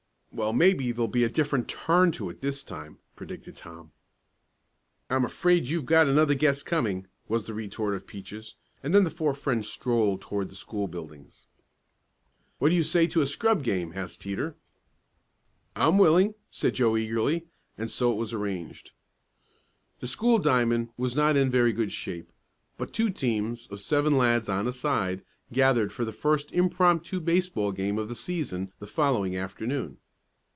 "Well, maybe there'll be a different turn to it this time," predicted Tom. "I'm afraid you've got another guess coming," was the retort of Peaches; and then the four friends strolled toward the school buildings. "What do you say to a scrub game?" asked Teeter. "I'm willing!" said Joe eagerly; and so it was arranged. The school diamond was not in very good shape, but two teams, of seven lads on a side, gathered for the first impromptu baseball game of the season the following afternoon.